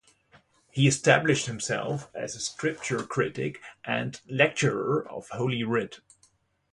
He established himself as a scripture critic, and lecturer of holy writ.